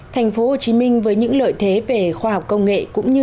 thành phố hồ chí minh với những lợi thế về khoa học công nghệ